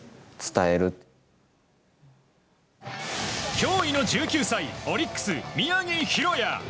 驚異の１９歳オリックス、宮城大弥。